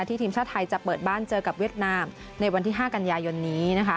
ทีมชาติไทยจะเปิดบ้านเจอกับเวียดนามในวันที่๕กันยายนนี้